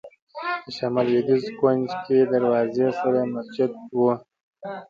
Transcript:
د شمال لوېدیځ کونج کې دروازې سره مسجد و.